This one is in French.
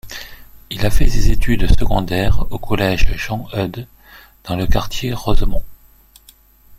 Il a fait ses études secondaires au Collège Jean-Eudes, dans le quartier Rosemont.